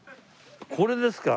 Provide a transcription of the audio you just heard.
これですか。